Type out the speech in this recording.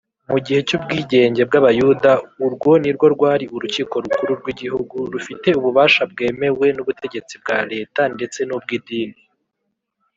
Mu gihe cy’ubwigenge bw’Abayuda, urwo ni rwo rwari Urukiko Rukuru rw’igihugu, rufite ububasha bwemewe n’ubutegetsi bwa Leta ndetse n’ubw’idini